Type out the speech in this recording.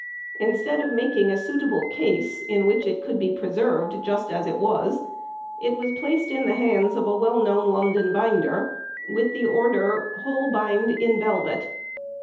Instead of making a suitable case, in which it could be preserved just as it was, it was placed in the hands of a well known London binder, with the order, "Whole bind in velvet."